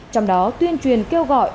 trong đó tuyên truyền kêu gọi